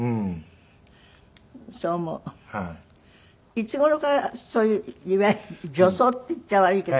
いつ頃からそういういわゆる女装って言っちゃ悪いけど。